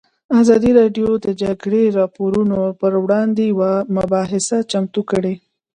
ازادي راډیو د د جګړې راپورونه پر وړاندې یوه مباحثه چمتو کړې.